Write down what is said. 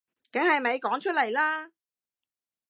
梗係咪講出嚟啦